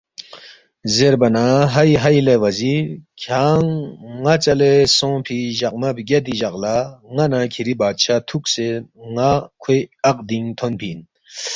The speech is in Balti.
زیربا نہ ”ہئی ہئی لے وزیر کھیانگ ن٘ا ژَلے سونگفی جقمہ بگیادی جق لہ ن٘ا نہ کِھری بادشاہ تُھوکسے ن٘ا کھوے عقدِنگ تھونفی اِن